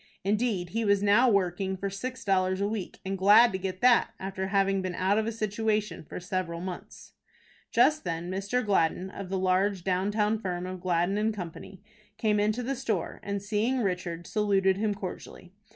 Indeed, he was now working for six dollars a week, and glad to get that, after having been out of a situation for several months. Just then Mr. Gladden, of the large down town firm of Gladden & Co., came into the store, and, seeing Richard, saluted him cordially.